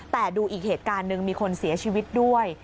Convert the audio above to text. แต่ดูอีกเหตุการณ์หนึ่งมีคนเสียชีวิตด้วย